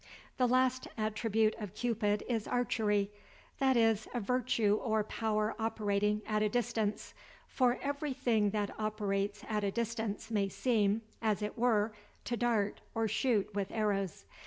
The last attribute of Cupid is archery, viz: a virtue or power operating at a distance; for every thing that operates at a distance may seem, as it were, to dart, or shoot with arrows.